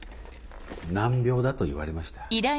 難病だと言われました。